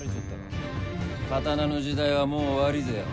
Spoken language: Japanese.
刀の時代はもう終わりぜよ。